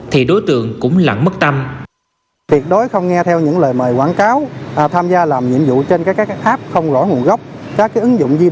thì đối tượng cũng lặng mất tâm